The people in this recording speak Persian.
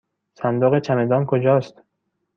صندوق چمدان کجاست؟